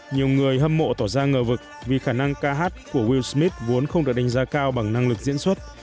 nhiều người hâm mộ tỏ ra ngờ vực vì khả năng ca hát của will smith vốn không được đánh giá cao bằng năng lực diễn xuất